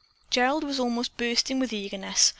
Gerald was almost bursting with eagerness.